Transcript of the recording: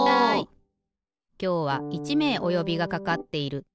きょうは１めいおよびがかかっている。